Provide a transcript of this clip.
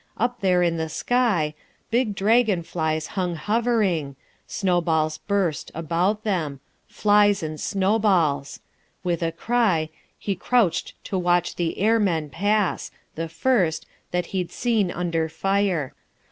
Up there, in the sky Big dragon flies hung hovering.... Snowballs burst About them.... Flies and snowballs. With a cry He crouched to watch the airmen pass the first That he'd seen under fire.